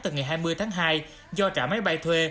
từ ngày hai mươi tháng hai do trả máy bay thuê